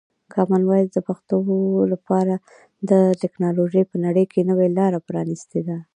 کامن وایس د پښتو لپاره د ټکنالوژۍ په نړۍ کې نوې لاره پرانیستې ده.